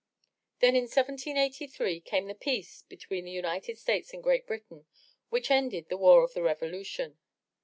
Then in 1783 came the peace between the United States and Great Britain which ended the War of the Revolution.